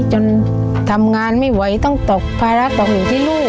จนทำงานไม่ไหวต้องตกภาระของอยู่ที่ลูก